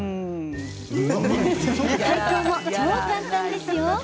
解凍も超簡単ですよ。